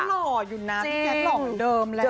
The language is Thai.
ต้องหล่ออยู่นั้นพี่แจ๊คหล่อเหมือนเดิมแหละ